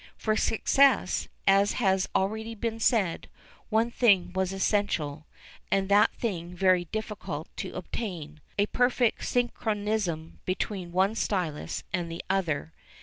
For success, as has already been said, one thing was essential, and that thing very difficult to obtain a perfect synchronism between one stylus and the other.